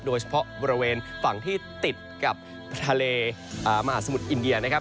โดยเฉพาะบริเวณฝั่งที่ติดกับทะเลมหาสมุทรอินเดียนะครับ